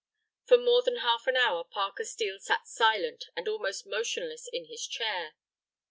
For more than half an hour Parker Steel sat silent and almost motionless in his chair.